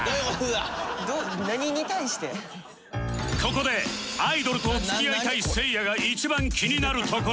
ここでアイドルと付き合いたいせいやが一番気になるところ